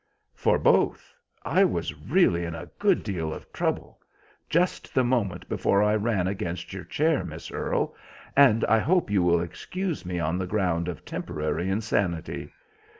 "For both. I was really in a good deal of trouble just the moment before I ran against your chair, Miss Earle, and I hope you will excuse me on the ground of temporary insanity.